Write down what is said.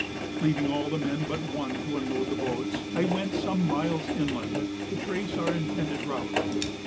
Leaving all the men but one to unload the boats, I went some miles inland to trace our intended route.